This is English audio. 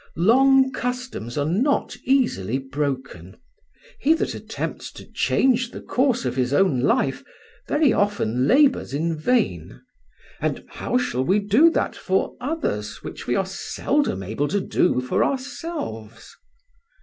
Long customs are not easily broken; he that attempts to change the course of his own life very often labours in vain, and how shall we do that for others which we are seldom able to do for ourselves?"